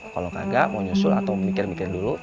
kalau kagak mau nyusul atau mikir mikir dulu